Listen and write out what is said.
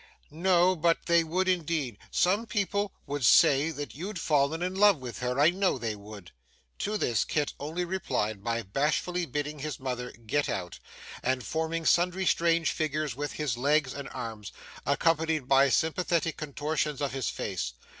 'No, but they would indeed. Some people would say that you'd fallen in love with her, I know they would.' To this, Kit only replied by bashfully bidding his mother 'get out,' and forming sundry strange figures with his legs and arms, accompanied by sympathetic contortions of his face.